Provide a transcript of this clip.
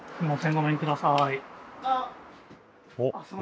ごめんください。